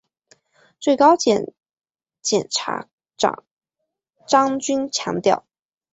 最高检检察长张军强调